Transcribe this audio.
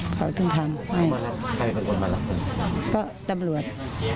ก็ตัวโบราช